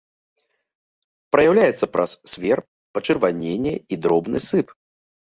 Праяўляецца праз сверб, пачырваненне і дробны сып.